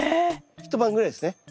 一晩ぐらいですね。